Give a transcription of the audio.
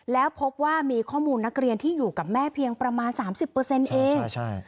แล้วพบว่ามีข้อมูลนักเรียนที่อยู่กับแม่เพียงประมาณ๓๐เอง